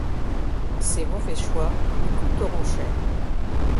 Ses mauvais choix lui coûteront cher.